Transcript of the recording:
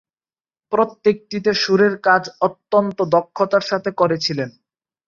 প্রত্যেকটিতে সুরের কাজ অত্যন্ত দক্ষতার সাথে করেছিলেন।